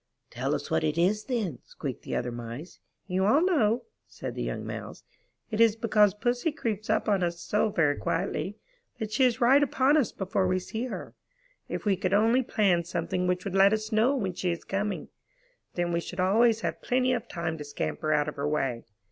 'Tell us what it is then," squeaked the other Mice. You all know," said the young Mouse, ''it is because Pussy creeps up on us so very quietly, that she is right upon us before we see her. If we could 84 IN THE NURSERY only plan something which would let us know when she is coming, then we should always have plenty of time to scamper out of her way.